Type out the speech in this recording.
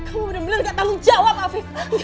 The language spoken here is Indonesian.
kamu benar benar tidak tanggung jawab afin